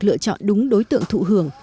lựa chọn đúng đối tượng thụ hưởng